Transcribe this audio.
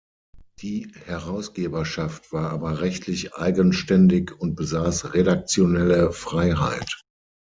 Die Herausgeberschaft war aber rechtlich eigenständig und besass redaktionelle Freiheit.